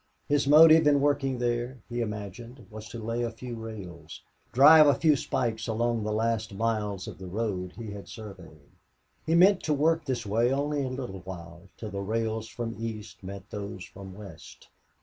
His motive in working there, he imagined, was to lay a few rails, drive a few spikes along the last miles of the road that he had surveyed. He meant to work this way only a little while, till the rails from east met those from west.